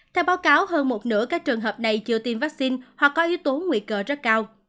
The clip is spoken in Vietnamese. theo báo cáo hơn một nửa các trường hợp này chưa tiêm vaccine hoặc có yếu tố nguy cơ rất cao